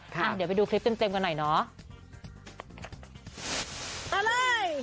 เดี๋ยวไปดูคลิปเต็มกันหน่อยเนาะ